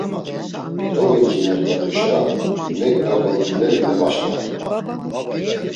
Dovincinert̆atuşa neǩna gontzumeri mevaşǩvatu.